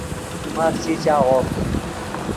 ماف چی چاغوف